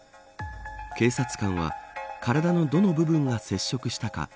警察官は体のどの部分が接触したか。